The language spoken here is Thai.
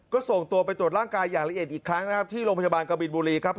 ก็ส่งตัวไปตรวจร่างกายอย่างละเอียดอีกครั้งนะครับที่โรงพยาบาลกบินบุรีครับ